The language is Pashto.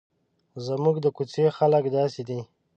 زموږ د کوڅې خلک داسې دي.